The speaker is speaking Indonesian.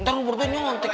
ntar ngubur deh nyontik